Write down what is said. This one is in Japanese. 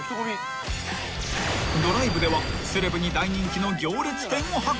［ドライブではセレブに大人気の行列店を発見］